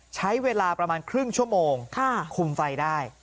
ใช้เวลาประมาณครึ่งชั่วโมงคุมไฟได้